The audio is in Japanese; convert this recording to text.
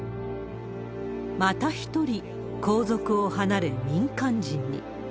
また一人、皇族を離れ民間人に。